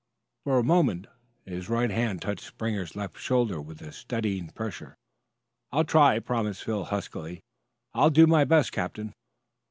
For a moment his right hand touched Springer's left shoulder with a steadying pressure. "I'll try," promised Phil huskily. "I'll do my best, captain."